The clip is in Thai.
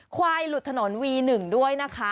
ควายหลุดถนนวี๑ด้วยนะคะ